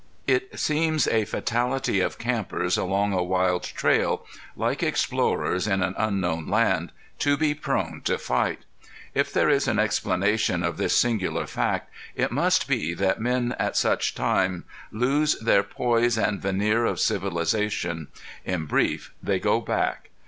It seems a fatality of campers along a wild trail, like explorers in an unknown land, to be prone to fight. If there is an explanation of this singular fact, it must be that men at such time lose their poise and veneer of civilization; in brief, they go back.